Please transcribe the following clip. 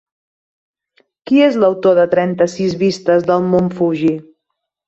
Qui és l'autor de Trenta-sis vistes del Mont Fuji?